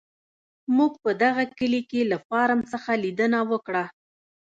موږ په دغه کلي کې له فارم څخه لیدنه وکړه.